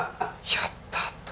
やったー！